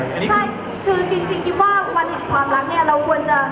ใช่คือจริงคิดว่าวันแห่งความรักเนี่ยเราควรจะ